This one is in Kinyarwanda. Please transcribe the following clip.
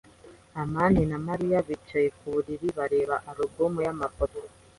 amani na Mariya bicaye ku buriri, bareba alubumu y'amafoto.